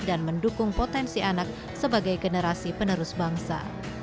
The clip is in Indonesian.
dan mendukung potensi anak sebagai generasi penerus bangsa